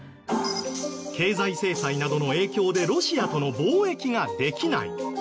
経済制裁などの影響でロシアとの貿易ができない。